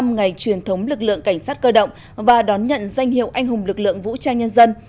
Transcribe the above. năm ngày truyền thống lực lượng cảnh sát cơ động và đón nhận danh hiệu anh hùng lực lượng vũ trang nhân dân